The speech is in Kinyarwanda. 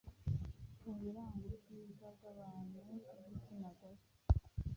mu biranga ubwiza bw’abantu b’igitsina gore